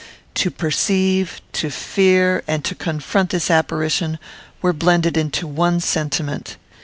To perceive, to fear, and to confront this apparition were blended into one sentiment.